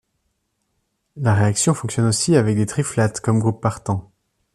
La réaction fonctionne aussi avec des triflates comme groupe partant.